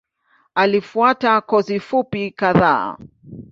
Alifuata kozi fupi kadhaa.